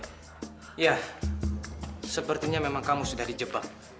iya sepertinya memang kamu sudah di jebak